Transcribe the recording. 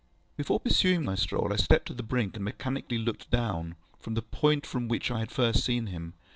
Before pursuing my stroll, I stepped to the brink, and mechanically looked down, from the point from which I had first seen him.